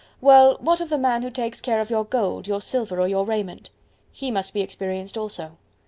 "Well, what of the man who takes care of your gold, your silver or your raiment?" "He must be experienced also."